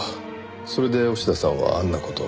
それで押田さんはあんな事を。